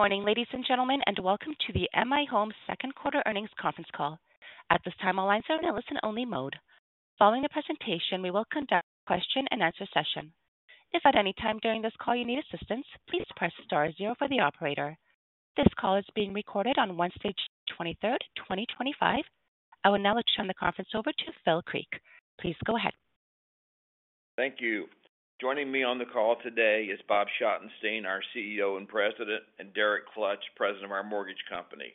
Morning, ladies and gentlemen, welcome to the MI Homes Second Quarter Earnings Conference Call. At this time, all lines are in a listen only mode. Following the presentation, we will conduct a question and answer session. This call is being recorded on Wednesday, twenty three, twenty twenty five. I would now like to turn the conference over to Phil Creek. Please go ahead. Thank you. Joining me on the call today is Bob Schottenstein, our CEO and President and Derek Klutch, President of our mortgage company.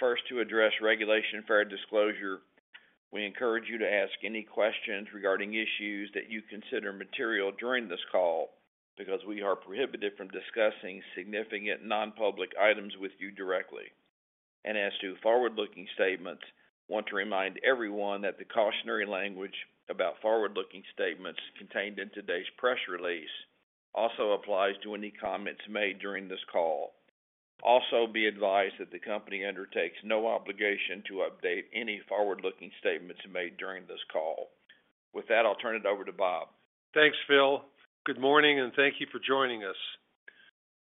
First, to address Regulation Fair Disclosure, we encourage you to ask any questions regarding issues that you consider material during this call because we are prohibited from discussing significant nonpublic items with you directly. And as to forward looking statements, I want to remind everyone that the cautionary language about forward looking statements contained in today's press release also applies to any comments made during this call. Also be advised that the company undertakes no obligation to update any forward looking statements made during this call. With that, I'll turn it over to Bob. Thanks, Phil. Good morning and thank you for joining us.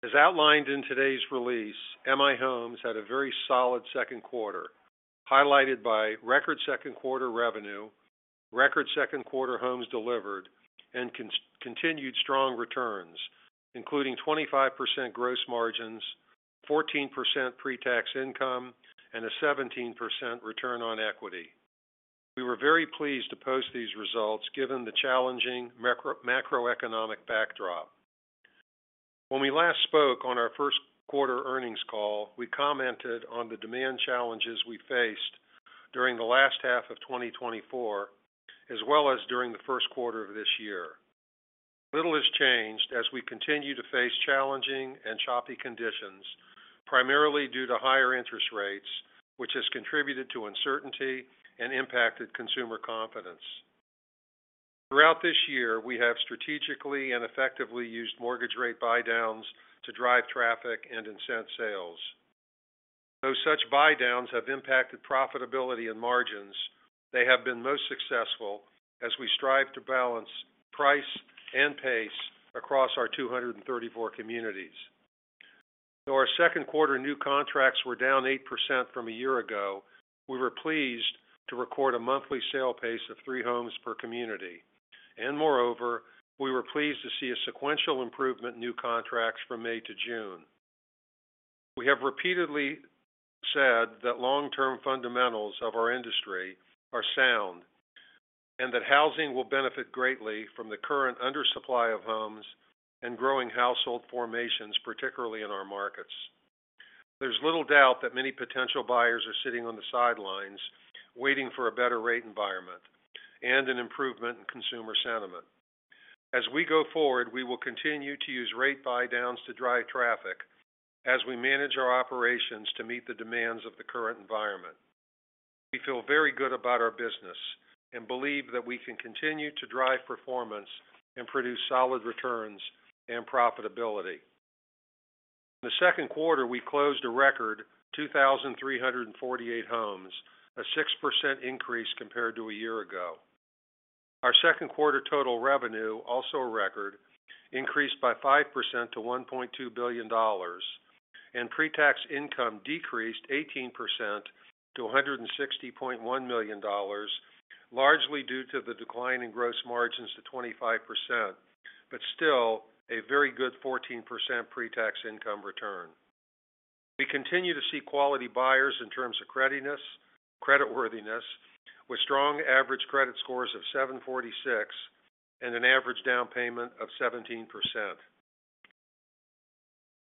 As outlined in today's release, MI Homes had a very solid second quarter, highlighted by record second quarter revenue, record second quarter homes delivered and continued strong returns, including 25% gross margins, 14% pretax income, and a 17% return on equity. We were very pleased to post these results given the challenging macroeconomic backdrop. When we last spoke on our first quarter earnings call, we commented on the demand challenges we faced during the last half of twenty twenty four, as well as during the first quarter of this year. Little has changed as we continue to face challenging and choppy conditions, primarily due to higher interest rates, which has contributed to uncertainty and impacted consumer confidence. Throughout this year, we have strategically and effectively used mortgage rate buy downs to drive traffic and incent sales. Though such buy downs have impacted profitability and margins, they have been most successful as we strive to balance price and pace across our two thirty four communities. Though our second quarter new contracts were down 8% from a year ago, we were pleased to record a monthly sale pace of three homes per community. And moreover, we were pleased to see a sequential improvement new contracts from May to June. We have repeatedly said that long term fundamentals of our industry are sound and that housing will benefit greatly from the current undersupply of homes and growing household formations, particularly in our markets. There's little doubt that many potential buyers are sitting on the sidelines waiting for a better rate environment and an improvement in consumer sentiment. As we go forward, we will continue to use rate buy downs to drive traffic as we manage our operations to meet the demands of the current environment. We feel very good about our business and believe that we can continue to drive performance and produce solid returns and profitability. In the second quarter, we closed a record 2,348 homes, a 6% increase compared to a year ago. Our second quarter total revenue, also a record, increased by 5% to 1,200,000,000 and pre tax income decreased 18% to $160,100,000 largely due to the decline in gross margins to 25%, but still a very good 14% pretax income return. We continue to see quality buyers in terms of creditiness, credit worthiness with strong average credit scores of 746 and an average down payment of 17%.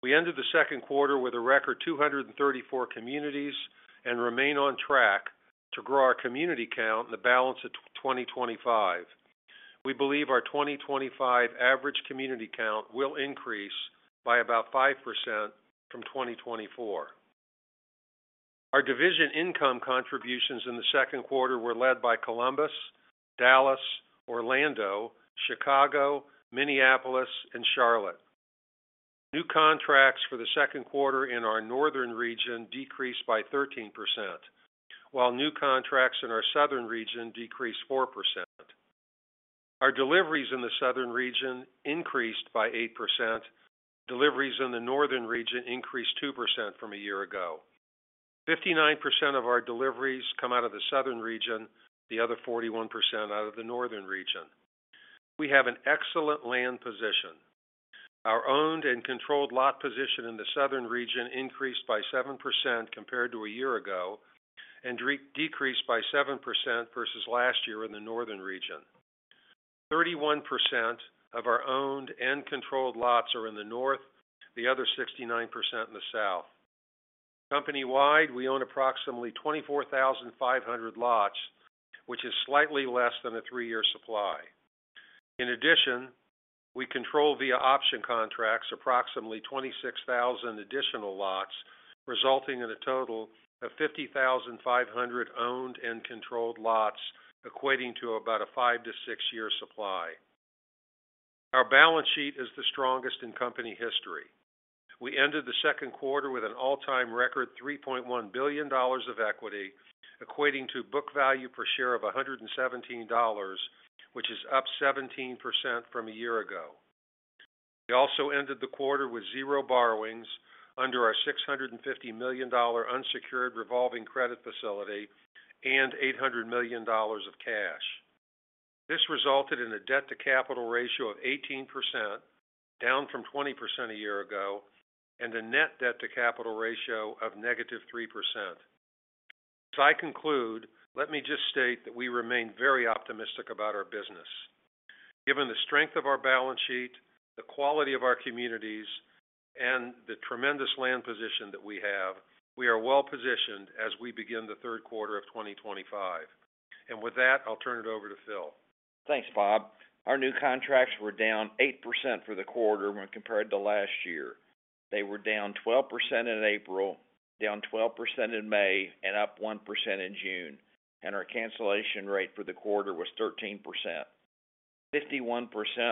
We ended the second quarter with a record two thirty four communities and remain on track to grow our community count in the balance of 2025. We believe our 2025 average community count will increase by about 5% from 2024. Our division income contributions in the second quarter were led by Columbus, Dallas, Orlando, Chicago, Minneapolis, and Charlotte. New contracts for the second quarter in our Northern Region decreased by 13%, while new contracts in our Southern Region decreased 4%. Our deliveries in the Southern Region increased by 8%. Deliveries in the Northern Region increased 2% from a year ago. 59% of our deliveries come out of the Southern Region, the other 41% out of the Northern Region. We have an excellent land position. Our owned and controlled lot position in the Southern Region increased by 7% compared to a year ago and decreased by 7% versus last year in the Northern Region. 31% of our owned and controlled lots are in the North, the other 69% in the South. Company wide, we own approximately 24,500 lots, which is slightly less than a three year supply. In addition, we control via option contracts approximately 26,000 additional lots, resulting in a total of 50,500 owned and controlled lots, equating to about a five to six year supply. Our balance sheet is the strongest in company history. We ended the second quarter with an all time record $3,100,000,000 of equity, equating to book value per share of a 117 which is up 17% from a year ago. We also ended the quarter with zero borrowings under our $650,000,000 unsecured revolving credit facility and $800,000,000 of cash. This resulted in a debt to capital ratio of 18%, down from 20% a year ago and a net debt to capital ratio of negative 3%. So I conclude, let me just state that we remain very optimistic about our business. Given the strength of our balance sheet, the quality of our communities, and the tremendous land position that we have, we are well positioned as we begin the third quarter of twenty twenty five. And with that, I'll turn it over to Phil. Thanks, Bob. Our new contracts were down 8% for the quarter when compared to last year. They were down 12% in April, down 12% in May, and up 1% in June, and our cancellation rate for the quarter was 13%. 51%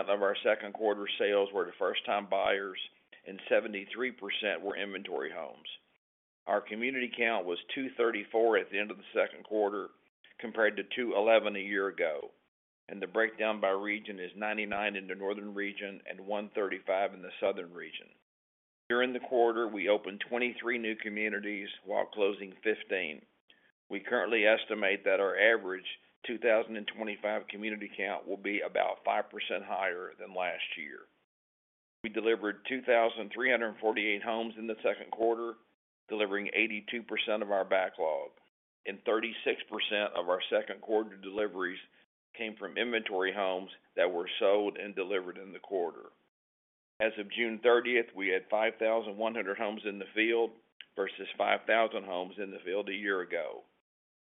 of our second quarter sales were to first time buyers and 73% were inventory homes. Our community count was two thirty four at the end of the second quarter compared to two eleven a year ago and the breakdown by region is 99 in the Northern Region and 135 in the Southern Region. During the quarter, we opened 23 new communities while closing 15. We currently estimate that our average twenty twenty five community count will be about 5% higher than last year. We delivered 2,348 homes in the second quarter, delivering 82% of our backlog, and 36% of our second quarter deliveries came from inventory homes that were sold and delivered in the quarter. As of June 30, we had 5,100 homes in the field versus 5,000 homes in the field a year ago.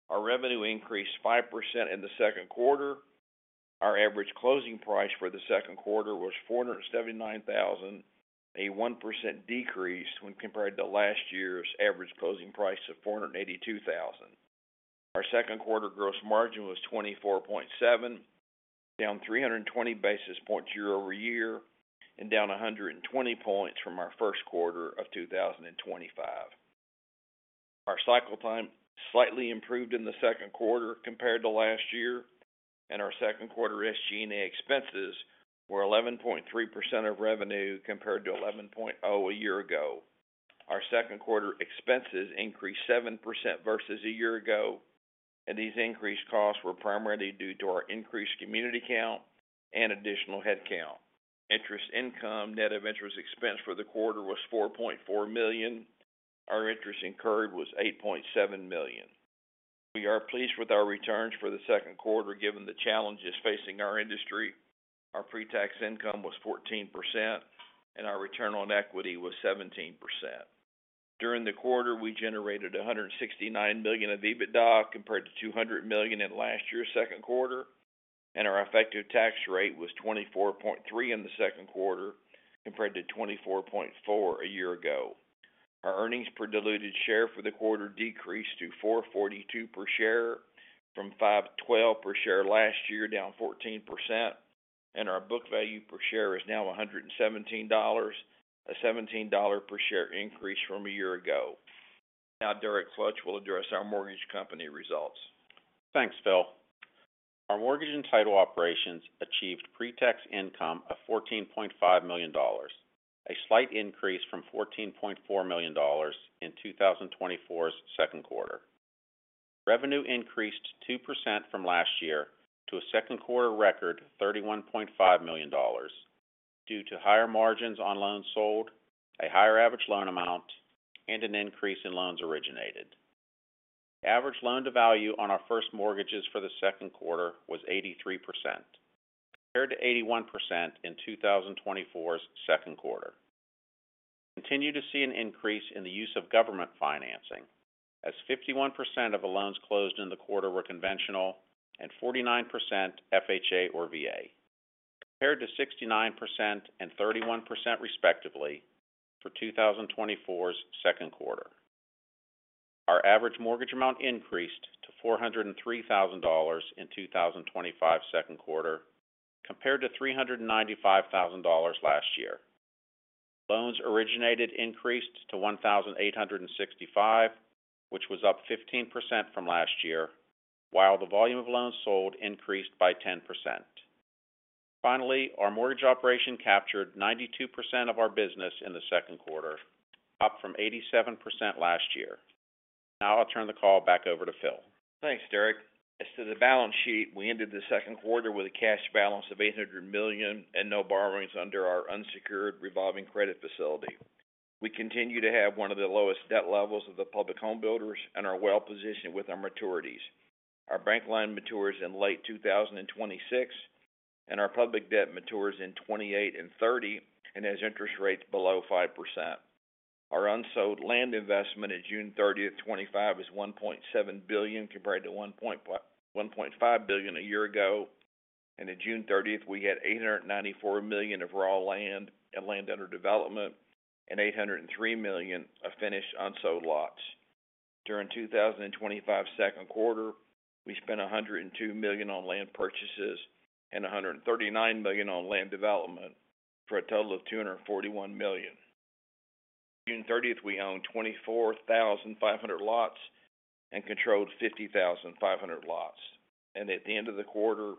Our revenue increased 5% in the second quarter. Our average closing price for the second quarter was 479,000 a 1% decrease when compared to last year's average closing price of $482,000 Our second quarter gross margin was 24.7, down three twenty basis points year over year and down 120 points from our first quarter of twenty twenty five. Our cycle time slightly improved in the second quarter compared to last year and our second quarter SG and A expenses were 11.3% of revenue compared to 11 a year ago. Our second quarter expenses increased 7% versus a year ago, and these increased costs were primarily due to our increased community count and additional headcount. Interest income, net of interest expense for the quarter was $4,400,000 Our interest incurred was $8,700,000 We are pleased with our returns for the second quarter given the challenges facing our industry. Our pretax income was 14% and our return on equity was 17%. During the quarter, we generated $169,000,000 of EBITDA compared to $200,000,000 in last year's second quarter and our effective tax rate was 24.3% in the second quarter compared to 24.4% a year ago. Our earnings per diluted share for the quarter decreased to $4.42 per share from $5.12 per share last year, down 14% and our book value per share is now $117 a $17 per share increase from a year ago. Now Derek Klutch will address our mortgage company results. Thanks Phil. Our mortgage and title operations achieved pre tax income of $14,500,000 a slight increase from $14,400,000 in twenty twenty four's second quarter. Revenue increased 2% from last year to a second quarter record $31,500,000 due to higher margins on loans sold, a higher average loan amount, and an increase in loans originated. The average loan to value on our first mortgages for the second quarter was 83%, compared to 81% in twenty twenty four's second quarter. We continue to see an increase in the use of government financing, as 51% of the loans closed in the quarter were conventional and 49% FHA or VA, compared to 6931% respectively for twenty twenty four's second quarter. Our average mortgage amount increased to $403,000 in twenty twenty five's second quarter, compared to 395,000 last year. Loans originated increased to $18.65, which was up 15% from last year, while the volume of loans sold increased by 10%. Finally, our mortgage operation captured 92% of our business in the second quarter, up from 87% last year. Now I will turn the call back over to Phil. Thanks Derek. As to the balance sheet, we ended the second quarter with a cash balance of $800,000,000 and no borrowings under our unsecured revolving credit facility. We continue to have one of the lowest debt levels of the public homebuilders and are well positioned with our maturities. Our bank line matures in late twenty twenty six and our public debt matures in 2830 and has interest rates below 5%. Our unsold land investment at 06/30/2025 is $1,700,000,000 compared to $1.1500000000.0 dollars a year ago. And at June 30, had $894,000,000 of raw land and land under development and $803,000,000 of finished unsold lots. During twenty twenty five's second quarter, we spent $102,000,000 on land purchases and $139,000,000 on land development for a total of $241,000,000 June 30, we owned 24,500 lots and controlled 50,500 lots. And at the end of the quarter,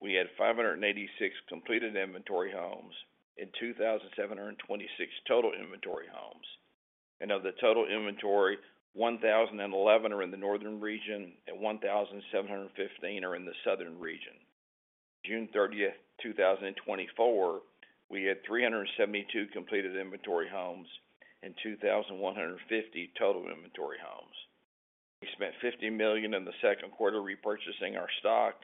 we had five eighty six completed inventory homes and 2,726 total inventory homes. And of the total inventory, ten eleven are in the Northern Region and seventeen fifteen are in the Southern Region. 06/30/2024, we had three seventy two completed inventory homes and 2,150 total inventory homes. We spent $50,000,000 in the second quarter repurchasing our stock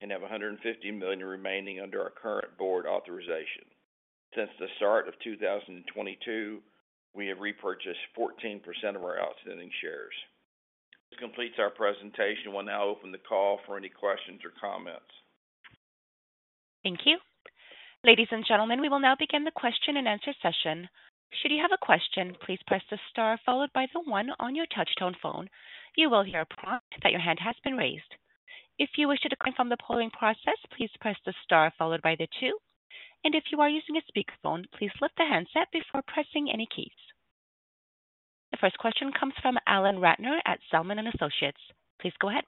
and have $150,000,000 remaining under our current board authorization. Since the start of 2022, we have repurchased 14% of our outstanding shares. This completes our presentation. We'll now open the call for any questions or comments. Thank you. Ladies and gentlemen, we will now begin the question and answer session. The first question comes from Alan Ratner at Zelman and Associates. Please go ahead.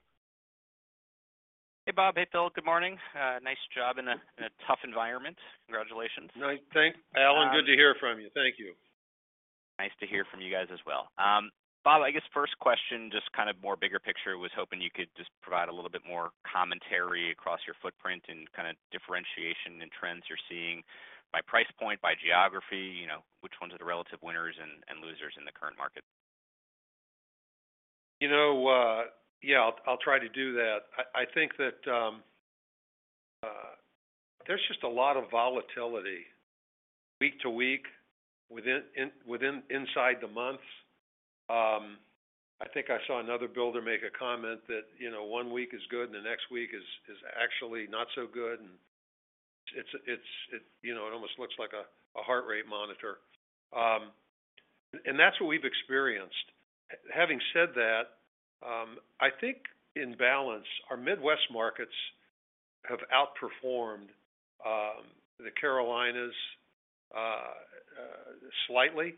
Hey, Bob. Hey, Bill. Good morning. Nice job in a tough environment. Congratulations. Alan, good to hear from you. Thank you. Nice to hear from you guys as well. Bob, I guess first question, just kind of more bigger picture. I was hoping you could just provide a little bit more commentary across your footprint and kind of differentiation and trends you're seeing by price point, by geography, which ones are the relative winners and losers in the current market? You know, yeah, I'll try to do that. I think that, there's just a lot of volatility week to week within inside the months. I think I saw another builder make a comment that, you know, one week is good and the next week is actually not so good. It's it's you know, it almost looks like a heart rate monitor. And that's what we've experienced. Having said that, I think in balance, our Midwest markets have outperformed the Carolinas slightly.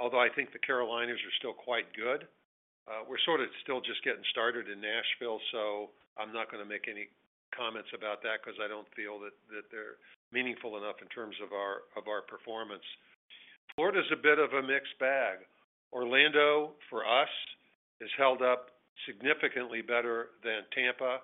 Although I think the Carolinas are still quite good. We're sort of still just getting started in Nashville, so I'm not gonna make any comments about that because I don't feel that they're meaningful enough in terms of our performance. Florida's a bit of a mixed bag. Orlando for us has held up significantly better than Tampa.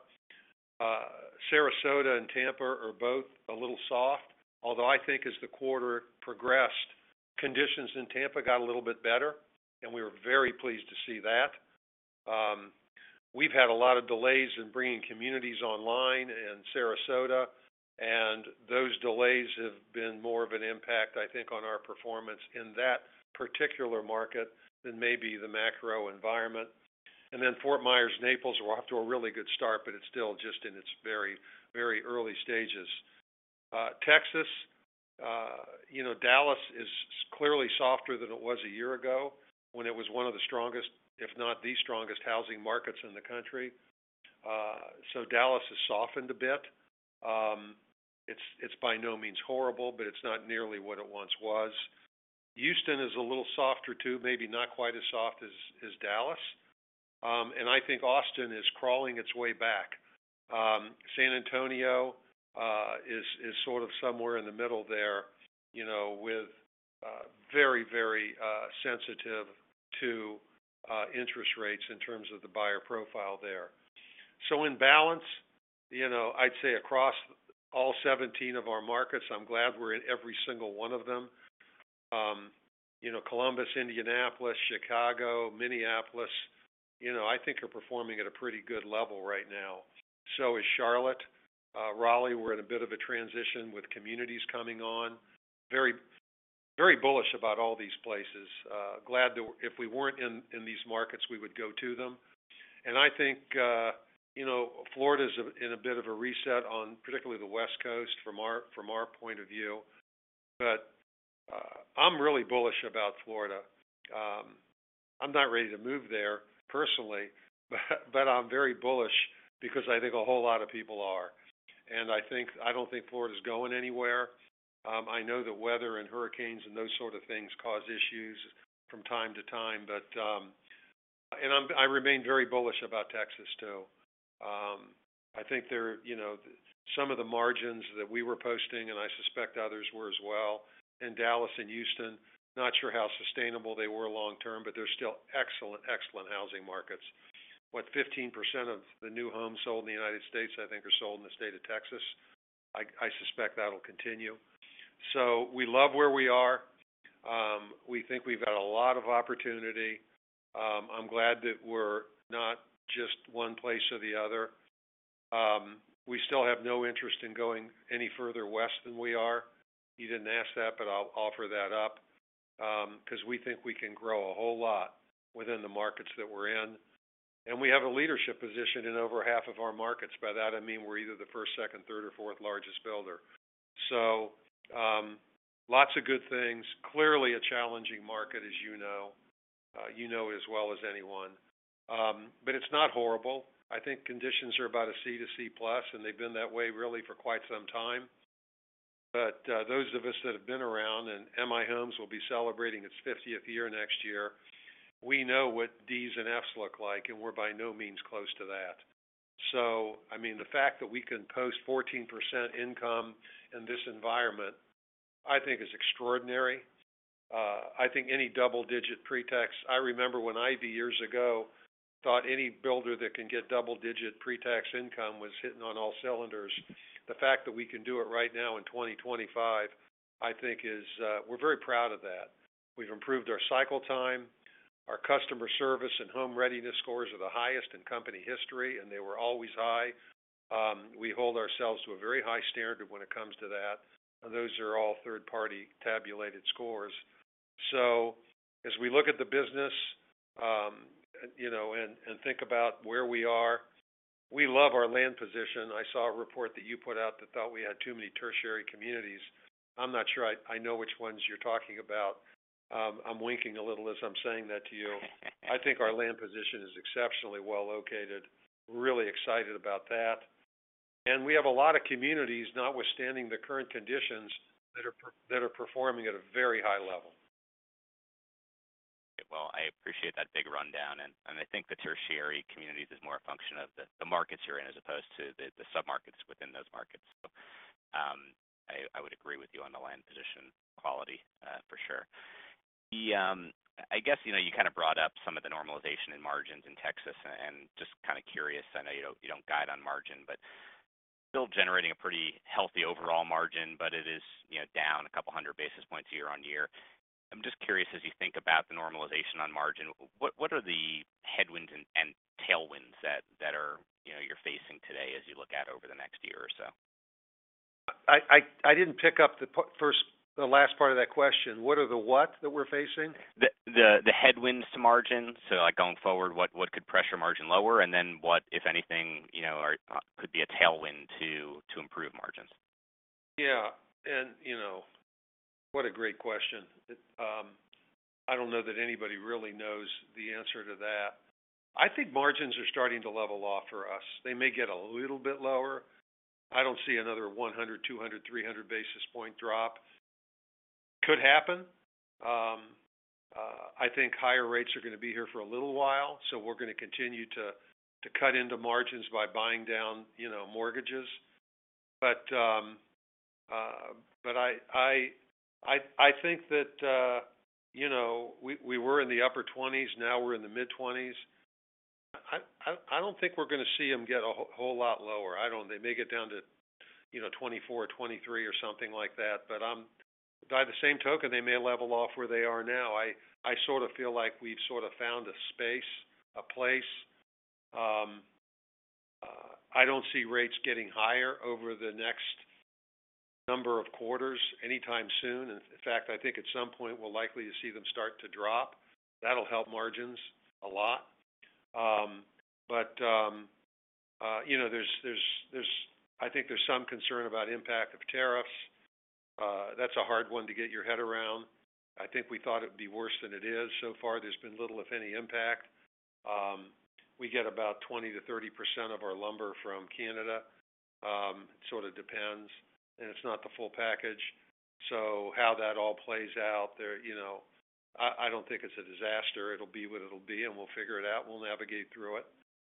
Sarasota and Tampa are both a little soft. Although I think as the quarter progressed, conditions in Tampa got a little bit better and we were very pleased to see that. We've had a lot of delays in bringing communities online in Sarasota And those delays have been more of an impact, I think, on our performance in that particular market than maybe the macro environment. And then Fort Myers Naples, we're off to a really good start, it's still just in its very, very early stages. Texas, know, Dallas is clearly softer than it was a year ago, when it was one of the strongest, if not the strongest housing markets in the country. So Dallas has softened a bit. It's by no means horrible, but it's not nearly what it once was. Houston is a little softer too, maybe not quite as soft as Dallas. And I think Austin is crawling its way back. San Antonio is sort of somewhere in the middle there, you know, with very, very sensitive to interest rates in terms of the buyer profile there. So in balance, you know, I'd say across all 17 of our markets, I'm glad we're in every single one of them. You know, Columbus, Indianapolis, Chicago, Minneapolis, you know, I think are performing at a pretty good level right now. So is Charlotte, Raleigh, we're in a bit of a transition with communities coming on. Very, very bullish about all these places. Glad that if we weren't in these markets, we would go to them. And I think, know, Florida's in bit of a reset on particularly the West Coast from our point of view. But, I'm really bullish about Florida. I'm not ready to move there personally, but I'm very bullish because I think a whole lot of people are. And I think, I don't think Florida's going anywhere. I know the weather and hurricanes and those sort of things cause issues from time to time. But, and I remain very bullish about Texas too. I think there, you know, some of the margins that we were posting, and I suspect others were as well, in Dallas and Houston, not sure how sustainable they were long term, but they're still excellent, excellent housing markets. What 15% of the new homes sold in The United States, I think are sold in the state of Texas. I suspect that'll continue. So we love where we are. We think we've got a lot of opportunity. I'm glad that we're not just one place or the other. We still have no interest in going any further west than we are. You didn't ask that, but I'll offer that up. Because we think we can grow a whole lot within the markets that we're in. And we have a leadership position in over half of our markets. By that I mean we're either the first, second, third, or fourth largest builder. So lots of good things. Clearly a challenging market as you know. You know as well as anyone. But it's not horrible. I think conditions are about a c to c plus, and they've been that way really for quite some time. But, those of us that have been around, and MI Homes will be celebrating its fiftieth year next year, we know what d's and f's look like, and we're by no means close to that. So, I mean, the fact that we can post 14% income in this environment, I think is extraordinary. I think any double digit pre tax. I remember when Ivy years ago thought any builder that can get double digit pre tax income was hitting on all cylinders. The fact that we can do it right now in 2025, I think is, we're very proud of that. We've improved our cycle time. Our customer service and home readiness scores are the highest in company history and they were always high. We hold ourselves to a very high standard when it comes to that. And those are all third party tabulated scores. So as we look at the business, and think about where we are, We love our land position. I saw a report that you put out that thought we had too many tertiary communities. I'm not sure I know which ones you're talking about. I'm winking a little as I'm saying that to you. I think our land position is exceptionally well located. Really excited about that. And we have a lot of communities, notwithstanding the current conditions, that performing at a very high level. Well, I appreciate that big rundown. I think the tertiary community is more a function of the markets you're in as opposed to the submarkets within those markets. I would agree with you on the land position quality for sure. I guess you kind of brought up some of the normalization in margins in Texas and just kind of curious, I know you don't guide on margin, still generating a pretty healthy overall margin, but it is down a couple of 100 basis points year on year. I'm just curious as you think about the normalization on margin, what are the headwinds and tailwinds that are you're facing today as you look at over the next year or so? I didn't pick up the first the last part of that question. What are the what that we're facing? The headwinds to margins. So going forward, what could pressure margin lower? And then what, if anything, could be a tailwind to improve margins? Yeah. What a great question. I don't know that anybody really knows the answer to that. I think margins are starting to level off for us. They may get a little bit lower. I don't see another 100, 200, 300 basis point drop. Could happen. I think higher rates are gonna be here for a little while. So we're gonna continue to cut into margins by buying down, you know, mortgages. I think that, you know, were in the upper twenties. Now we're in the mid twenties. I don't think we're gonna see them get a whole lot lower. I don't they may get down to, you know, 24, 23 or something like that. But by the same token, they may level off where they are now. I I sort of feel like we've sort of found a space, a place. I don't see rates getting higher over the next number of quarters anytime soon. In fact, I think at some point we'll likely to see them start to drop. That'll help margins a lot. But, you know, there's there's there's I think there's some concern about impact of tariffs. That's a hard one to get your head around. I think we thought it'd be worse than it is. So far, there's been little if any impact. We get about 20 to 30% of our lumber from Canada. Sort of depends. And it's not the full package. So how that all plays out there, you know, I I don't think It'll be what it'll be and we'll figure it out. We'll navigate through it.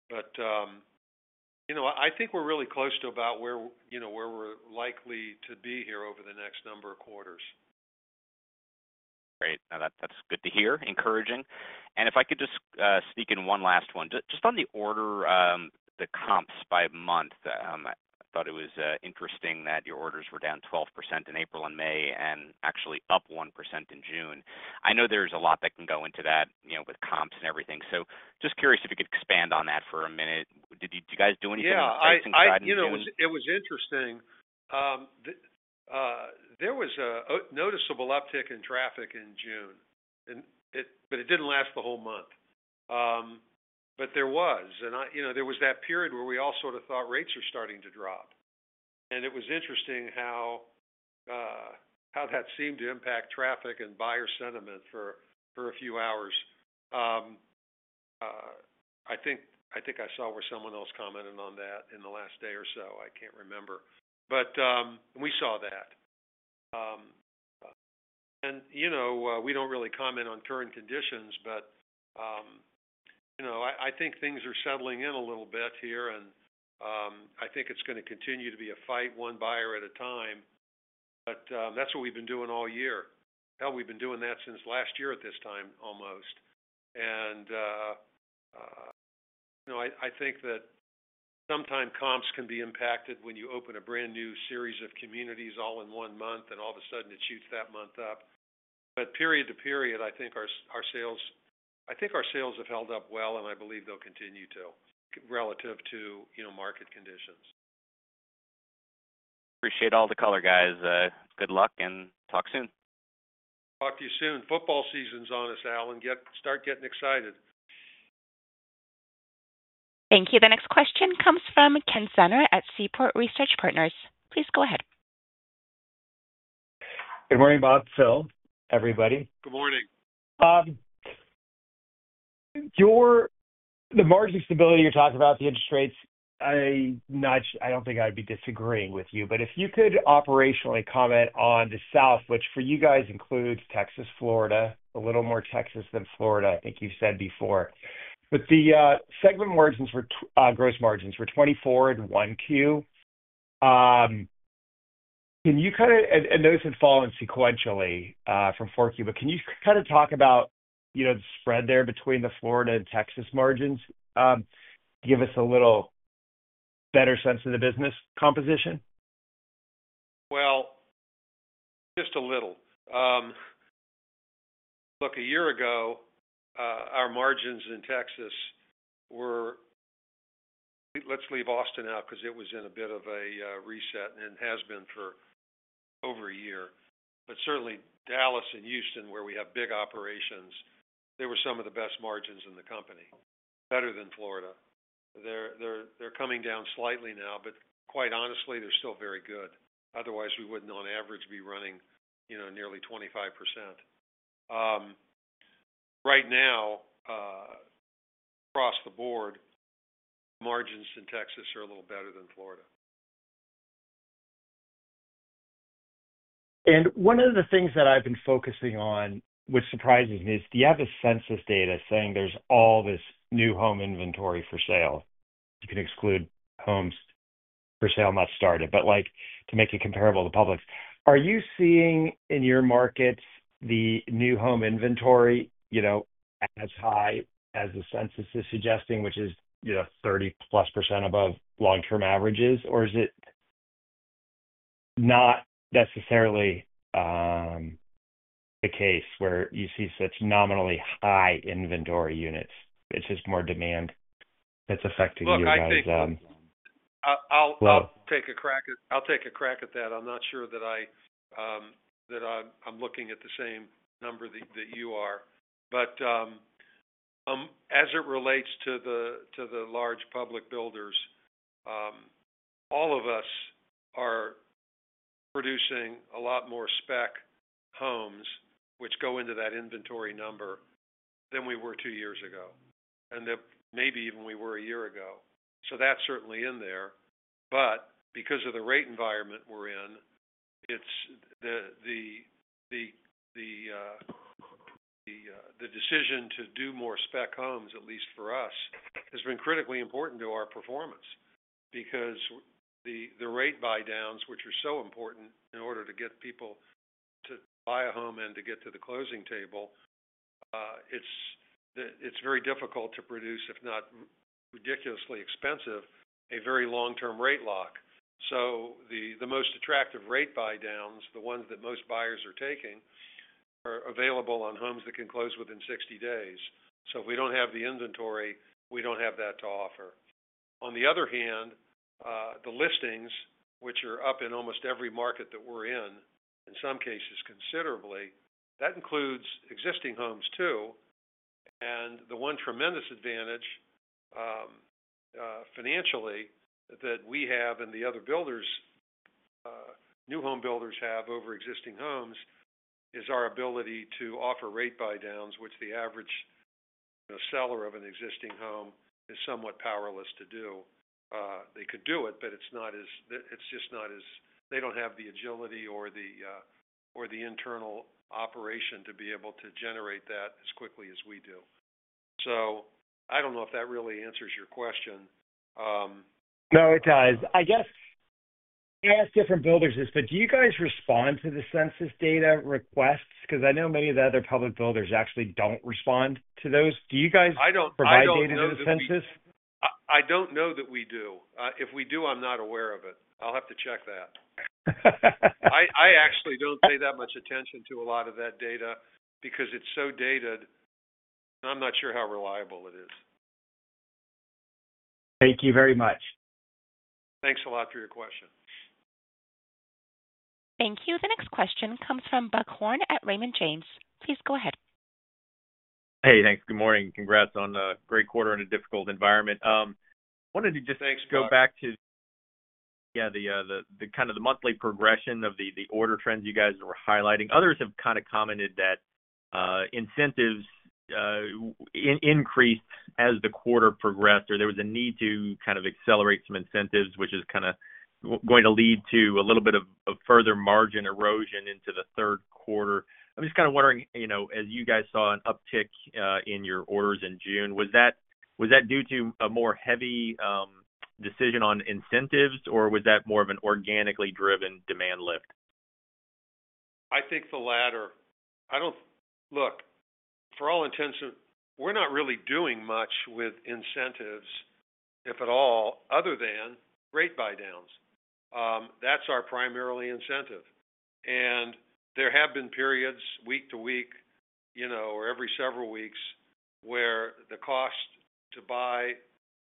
But I think we're really close to about where we're likely to be here over the next number of quarters. Great. That's good to hear, encouraging. And if I could just sneak in one last one. Just on the order, the comps by month, I thought it was interesting that your orders were down 12% in April and May and actually up 1% in June. I know there's a lot that can go into that with comps and everything. So just curious if you could expand on that for a minute. Did you guys do anything It on pricing interesting. There was a noticeable uptick in traffic in June. But it didn't last the whole month. But there was. And there was that period where we all sort of thought rates were starting to drop. And it was interesting how that seemed to impact traffic and buyer sentiment for a few hours. I think I saw where someone else commented on that in the last day or so, I can't remember. But we saw that. And, you know, we don't really comment on current conditions, but, you know, I think things are settling in a little bit here. And I think it's going to continue to be a fight one buyer at a time. But that's what we've been doing all year. Hell, we've been doing that since last year at this time almost. And I think that sometimes comps can be impacted when you open a brand new series of communities all in one month and all of a sudden it shoots that month up. But period to period, I think our sales I think our sales have held up well, and I believe they'll continue to relative to, you know, market conditions. Appreciate all the color, guys. Good luck and talk soon. Talk to you soon. Football season's on us, Alan. Get start getting excited. Thank you. The next question comes from Ken Senner at Seaport Research Partners. Please go ahead. Good morning, Bob, Phil, everybody. Good morning. Your the margin stability you're talking about, the interest rates, I notch I don't think I'd be disagreeing with you. But if you could operationally comment on the South, which for you guys includes Texas, Florida, a little more Texas than Florida, I think you said before. But the segment margins were gross margins were 24% in 1Q. Can you kind of and those have fallen sequentially from 4Q, but can you kind of talk about you know, the spread there between the Florida and Texas margins? Give us a little better sense of the business composition. Well, just a little. Look, a year ago, our margins in Texas were let's leave Austin out because it was in a bit of a reset and has been for over a year. But certainly Dallas and Houston where we have big operations, they were some of the best margins in the company, better than Florida. They're coming down slightly now, but quite honestly, they're still very good. Otherwise, we wouldn't on average be running nearly 25%. Right now, across the board, margins in Texas are a little better than Florida. And one of the things that I've been focusing on which surprises me is do you have a census data saying there's all this new home inventory for sale? You can exclude homes for sale must started, but like to make it comparable to public. Are you seeing in your markets the new home inventory as high as the census is suggesting, which is 30 plus percent above long term averages? Or is it not necessarily, the case where you see such nominally high inventory units? It's just more demand that's affecting you guys. I'll take a crack at I'll take a crack at that. I'm not sure that I, that I'm I'm looking at the same number that that you are. But, as it relates to the to the large public builders, all of us are producing a lot more spec homes, which go into that inventory number than we were two years ago. And that maybe even we were a year ago. So that's certainly in there. But because of the rate environment we're in, it's the the the decision to do more spec homes, at least for us, has been critically important to our performance. Because the rate buy downs, which are so important in order to get people to buy a home and to get to the closing table, it's very difficult to produce if not ridiculously expensive, a very long term rate lock. So the most attractive rate buy downs, the ones that most buyers are taking, are available on homes that can close within sixty days. So if we don't have the inventory, we don't have that to offer. On the other hand, the listings, which are up in almost every market that we're in, in some cases considerably, that includes existing homes too. And the one tremendous advantage financially that we have and the other builders, new home builders have over existing homes, is our ability to offer rate buy downs which the average seller of an existing home is somewhat powerless to do. They could do it, but it's not as it's just not as they don't have the agility or the or the internal operation to be able to generate that as quickly as we do. So I don't know if that really answers your question. No. It does. I guess, I asked different builders this, but do you guys respond to the census data requests? Because I know many of the other public builders actually don't respond to those. Do you guys I don't know the census. I don't know that we do. If we do, I'm not aware of it. I'll have to check that. I I actually don't pay that much attention to a lot of that data because it's so dated. And I'm not sure how reliable it is. Thank you very much. Thanks a lot for your question. Thank you. The next question comes from Buck Horne at Raymond James. Please go ahead. Hey, thanks. Good morning. Congrats on a great quarter in a difficult environment. I wanted to just go back to kind of the monthly progression of the order trends you guys were highlighting. Others have kind of commented that incentives increased as the quarter progressed or there was a need to kind of accelerate some incentives, which is kind of going to lead to a little bit of further margin erosion into the third quarter. I just kind of wondering, as you guys saw an uptick in your orders in June, was that due to a more heavy decision on incentives? Or was that more of an organically driven demand lift? I think the latter. I don't look, for all intents we're not really doing much with incentives, if at all, other than rate buy downs. That's our primarily incentive. And there have been periods week to week, you know, or every several weeks where the cost to buy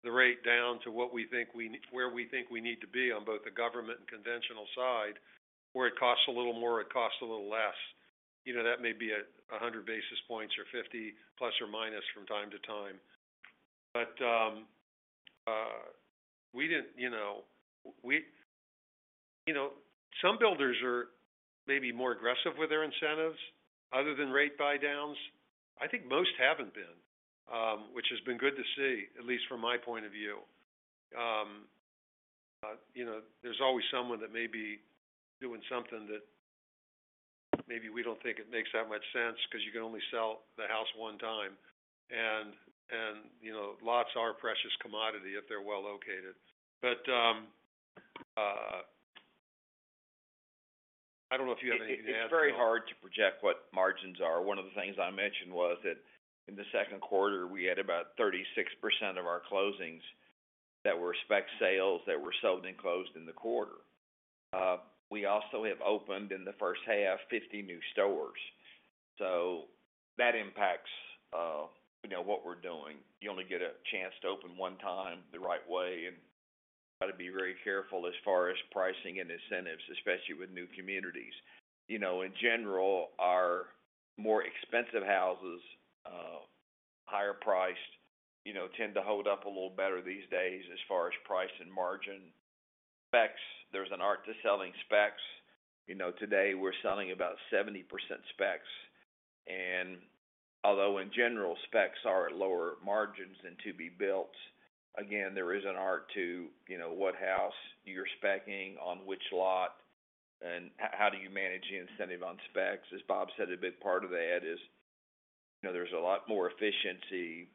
the rate down to what we think we need to be on both the government and conventional side, where it costs a little more, it costs a little less. You know, that may be a 100 basis points or 50 plus or minus from time to time. But, we didn't, you know, we, you know, some builders are maybe more aggressive with their incentives other than rate buy downs. I think most haven't been, which has been good to see, at least from my point of view. You know, there's always someone that may be doing something that maybe we don't think it makes that much sense because you can only sell the house one time. You know, lots are precious commodity if they're well located. But, I don't know if you have anything to add to hard to project what margins are. One of the things I mentioned was that in the second quarter, we had about 36% of our closings that were spec sales that were sold and closed in the quarter. We also have opened in the first half 50 new stores. So that impacts, you know, what we're doing. You only get a chance to open one time the right way and gotta be very careful as far as pricing and incentives, especially with new communities. You know, in general, our more expensive houses, higher priced, you know, tend to hold up a little better these days as far as price and margin. Specs, there's an art to selling specs. You know, today, we're selling about 70% specs. And although in general, specs are lower margins than to be built, Again, there is an art to, you know, what house you're specking on which lot and how do you manage the incentive on specs. As Bob said, a big part of that is, you know, there's a lot more efficiency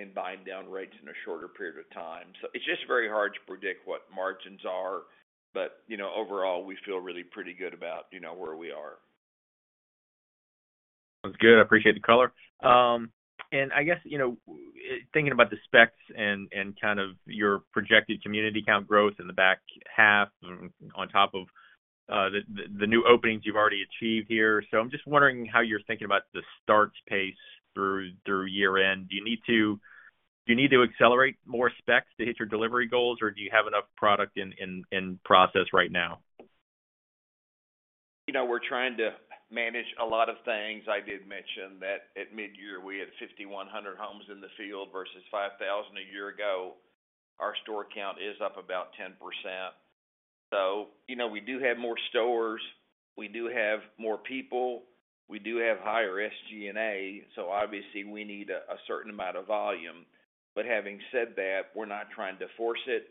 in buying down rates in a shorter period of time. So it's just very hard to predict what margins are. But, you know, overall, we feel really pretty good about, you know, where we are. Sounds good. I appreciate the color. And I guess, thinking about the specs and kind of your projected community count growth in the back half on top of the new openings you've already achieved here. So I'm just wondering how you're thinking about the start pace through through year end. Do you need to do you need to accelerate more specs to hit your delivery goals, or do you have enough product in in in process right now? You know, we're trying to manage a lot of things. I did mention that at midyear, we had 5,100 homes in the field versus 5,000 a year ago. Our store count is up about 10%. So, you know, we do have more stores. We do have more people. We do have higher SG and A. So obviously, we need a certain amount of volume. But having said that, we're not trying to force it.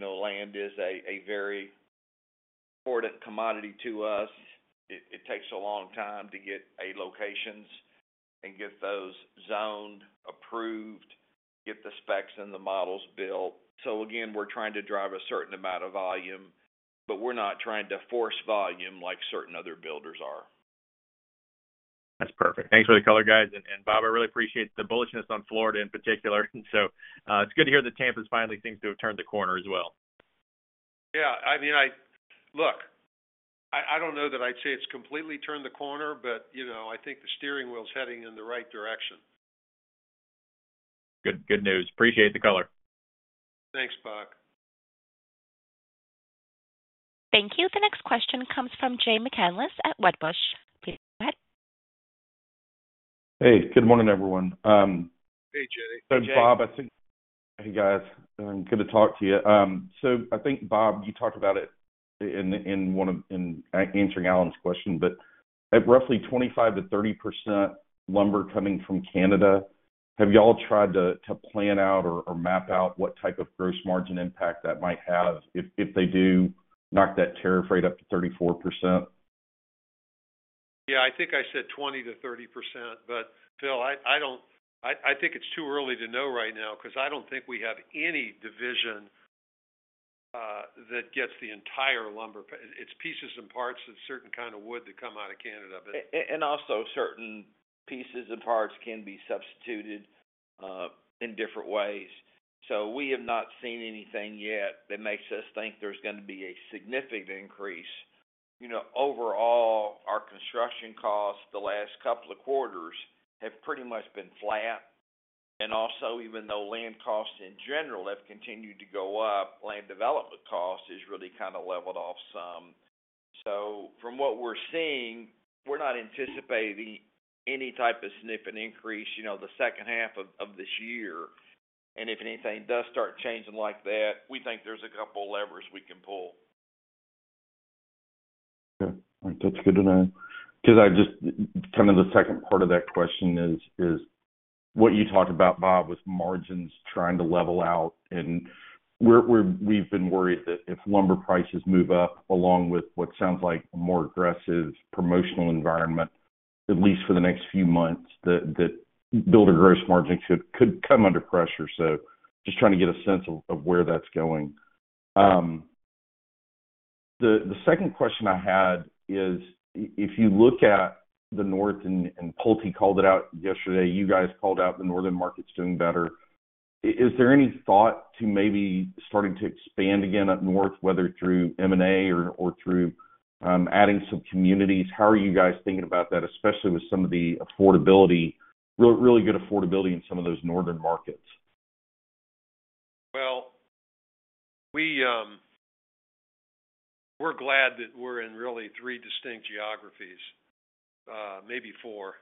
Land is a very important commodity to us. It it takes a long time to get a locations and get those zoned, approved, get the specs and the models built. So, again, we're trying to drive a certain amount of volume, but we're not trying to force volume like certain other builders are. That's perfect. Thanks for the color, guys. And and, Bob, I really appreciate the bullishness on Florida in particular. So, it's good to hear that Tampa's finally things to have turned the corner as well. Yeah. I mean, I look. I I don't know that I'd say it's completely turned the corner, but, you know, I think the steering wheel's heading in the right direction. Good good news. Appreciate the color. Thanks, Bob. Thank you. The next question comes from Jay McCanless at Wedbush. Please go ahead. Hey, good morning, everyone. Hey, Jay. Hey, Jay. Hey, guys. Good to talk to you. So I think, Bob, you talked about it in one of in answering Allen's question. But at roughly 25% to 30% lumber coming from Canada, Have you all tried to plan out or map out what type of gross margin impact that might have if they do knock that tariff rate up to 34%? Yeah, I think I said 20% to 30%. But Phil, think it's too early to know right now because I don't think we have any division, that gets the entire lumber. It's pieces and parts of certain kind of wood that come out of Canada. And also certain pieces and parts can be substituted in different ways. So we have not seen anything yet that makes us think there's gonna be a significant increase. You know, overall, our construction costs the last couple of quarters have pretty much been flat. And also, though land costs in general have continued to go up, land development cost has really kinda leveled off some. So from what we're seeing, we're not anticipating any type of significant increase, you know, the second half of of this year. And if anything does start changing like that, we think there's a couple levers we can pull. K. Alright. That's good to know. Because I just kind of the second part of that question is what you talked about, Bob, was margins trying to level out. And we've been worried that if lumber prices move up along with what sounds like a more aggressive promotional environment, at least for the next few months, builder gross margin could come under pressure. So just trying to get a sense of where that's going. Second question I had is if you look at the North and Pulte called it out yesterday, you guys called out the Northern market's doing better. Is there any thought to maybe starting to expand again at North, whether through M and A or through adding some communities? How are you guys thinking about that, especially with some of the affordability really good affordability in some of those Northern markets? Well, we're glad that we're in really three distinct geographies. Maybe four,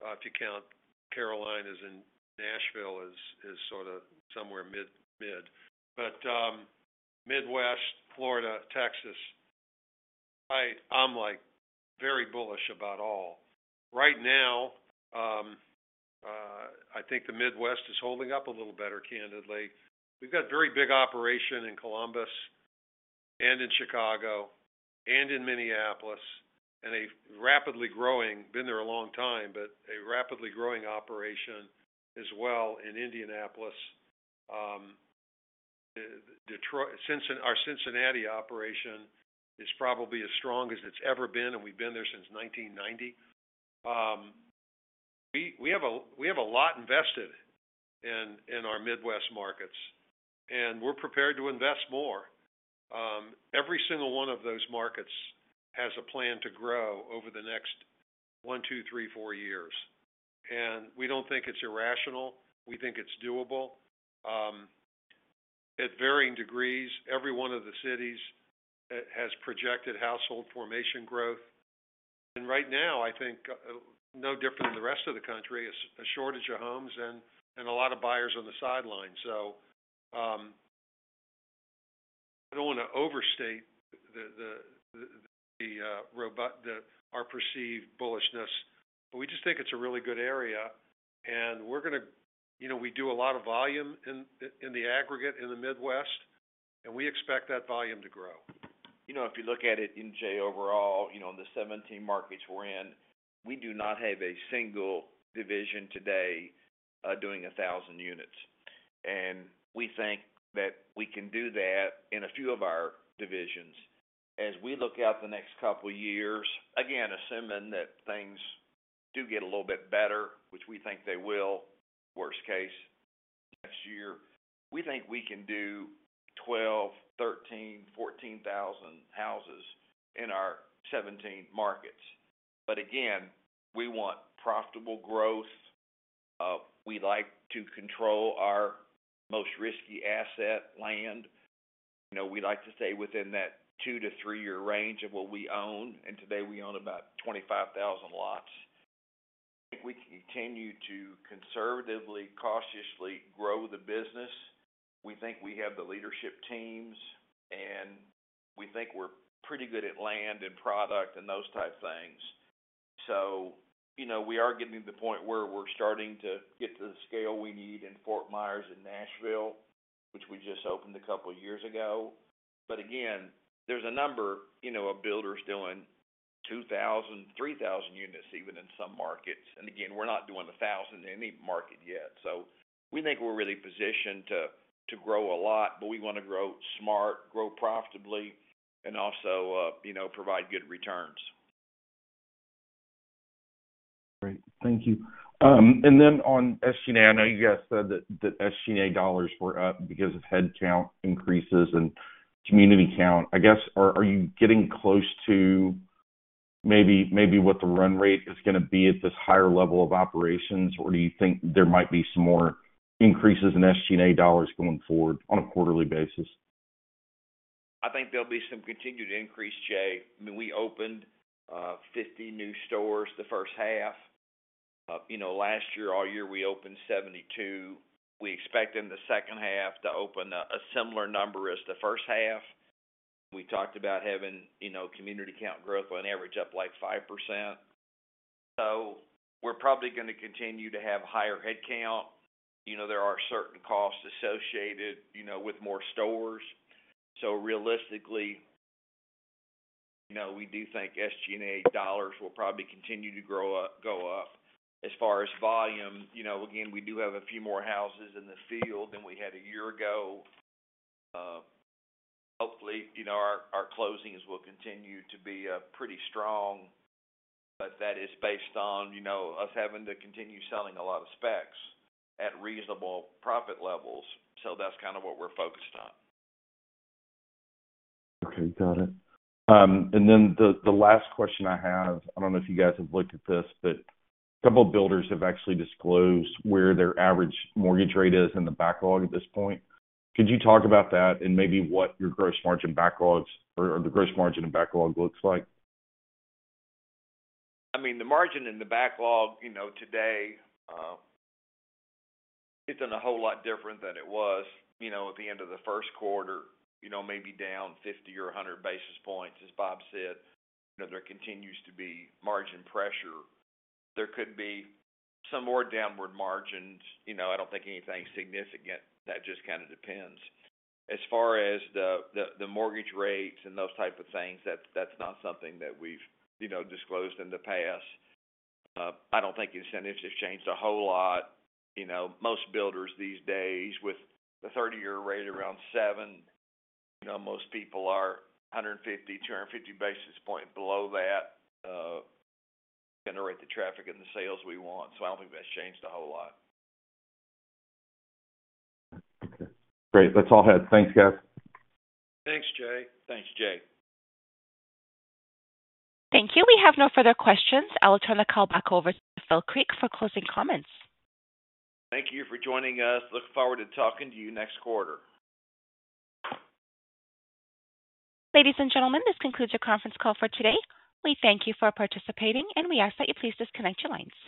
to count Carolinas and Nashville as sort of somewhere mid mid. But Midwest, Florida, Texas, I'm like very bullish about all. Right now, I think the Midwest is holding up a little better candidly. We've got very big operation in Columbus, and in Chicago, and in Minneapolis, and a rapidly growing, been there a long time, but a rapidly growing operation as well in Indianapolis. Our Cincinnati operation is probably as strong as it's ever been, and we've been there since 1990. We a lot invested in our Midwest markets. And we're prepared to invest more. Every single one of those markets has a plan to grow over the next one, two, three, four years. And we don't think it's irrational. We think it's doable. At varying degrees, every one of the cities has projected household formation growth. And right now, I think no different than the rest of the country, a shortage of homes and a lot of buyers on the sidelines. I don't want to overstate our perceived bullishness. We just think it's a really good area. And we're gonna you know, we do a lot of volume in the aggregate in the Midwest, and we expect that volume to grow. You know, if you look at it in Jay overall, you know, in the 17 markets we're in, we do not have a single division today, doing a thousand units. And we think that we can do that in a few of our divisions. As we look out the next couple years, again, assuming that things do get a little bit better, which we think they will, worst case next year, we think we can do twelve, thirteen, 14,000 houses in our 17 markets. But, again, we want profitable growth. We like to control our most risky asset land. You know, we like to stay within that two to three year range of what we own. And today, we own about 25,000 lots. If we continue to conservatively, cautiously grow the business, we think we have the leadership teams, and we think we're pretty good at land and product and those type of things. So, you know, we are getting to the point where we're starting to get to the scale we need in Fort Myers and Nashville, which we just opened a couple of years ago. But, again, there's a number, you know, of builders doing 2,000, 3,000 units even in some markets. And, again, we're not doing a thousand in any market yet. So we think we're really positioned to to grow a lot, but we wanna grow smart, grow profitably, and also, you know, provide good returns. Great. Thank you. And then on SG and I know you guys said that that SG and A dollars were up because of headcount increases and community count. I guess, are are you getting close to maybe maybe what the run rate is gonna be at this higher level of operations? Or do you think there might be some more increases in SG and A dollars going forward on a quarterly basis? I think there'll be some continued increase, Jay. I mean, we opened 50 new stores the first half. Last year, all year, we opened 72. We expect in the second half to open a similar number as the first half. We talked about having you know, community count growth on average up, like, 5%. So we're probably gonna continue to have higher headcount. You know, there are certain costs associated, you know, with more stores. So, realistically, we do think SG and A dollars will probably continue to grow up go up. As far as volume, again, we do have a few more houses in the field than we had a year ago. Hopefully, you know, our our closings will continue to be, pretty strong, but that is based on, you know, us having to continue selling a lot of specs at reasonable profit levels. So that's kind of what we're focused on. Okay. Got it. And then the the last question I have, I don't know if you guys have looked at this, but couple builders have actually disclosed where their average mortgage rate is in the backlog at this point. Could you talk about that and maybe what your gross margin backlogs or the gross margin and backlog looks like? I mean, the margin in the backlog, you know, today, isn't a whole lot different than it was at the end of the first quarter, maybe down 50 or 100 basis points. As Bob said, there continues to be margin pressure. There could be some more downward margins. You know, I don't think anything significant. That just kinda depends. As far as the the the mortgage rates and those type of things, that that's not something that we've, you know, disclosed in the past. I don't think incentives have changed a whole lot. You know, most builders these days with the thirty year rate around seven, you know, most people are 150, 250 basis point below that generate the traffic and the sales we want. So I don't think that's changed a whole lot. Okay. Great. That's all I had. Thanks, guys. Thanks, Jay. Thanks, Jay. Thank you. We have no further questions. I will turn the call back over to Phil Creek for closing comments. Thank you for joining us. Look forward to talking to you next quarter. Ladies and gentlemen, this concludes your conference call for today. We thank you for participating and we ask that you please disconnect your lines.